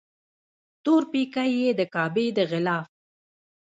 تور پیکی یې د کعبې د غلاف